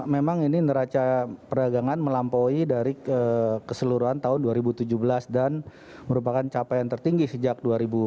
memang ini neraca perdagangan melampaui dari keseluruhan tahun dua ribu tujuh belas dan merupakan capaian tertinggi sejak dua ribu tujuh belas